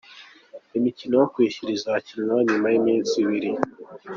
Imikino yo kwishyura izakinwa nyuma y’iminsi ibiri.